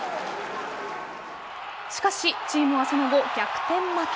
しかしチームはその後、逆転負け。